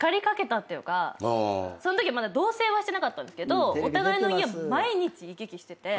そんときはまだ同棲はしてなかったけどお互いの家を毎日行き来してて。